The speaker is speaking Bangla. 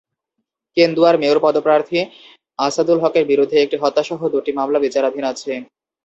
কেন্দুয়ার মেয়র পদপ্রার্থী আসাদুল হকের বিরুদ্ধে একটি হত্যাসহ দুটি মামলা বিচারাধীন আছে।